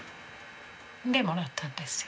でもらったんですよ。